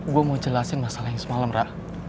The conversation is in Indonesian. gue mau jelasin masalah yang semalam ra